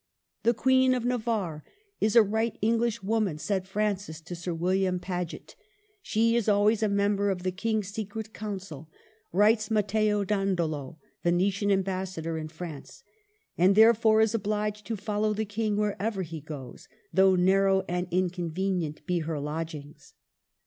''The Queen of Navarre is a right English woman," said Francis to Sir William Paget. *• She is always a member of the King's Secret Council," writes Matteo Dandolo, Venetian Ambassador in France, *' and therefore is obhged to follow the King wherever he goes, though narrow and in convenient be her lodgings."